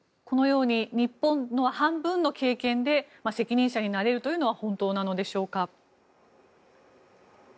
日本の半分の経験で責任者になれるというのは本当なのでしょうか。